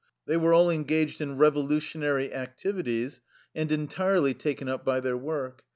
They were all engaged in revolu tionary activities, and entirely taken up by their work.